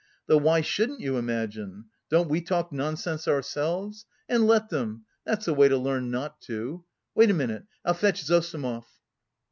Though why shouldn't you imagine? Don't we talk nonsense ourselves? And let them... that's the way to learn not to!... Wait a minute, I'll fetch Zossimov."